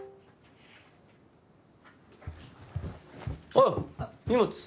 おう荷物。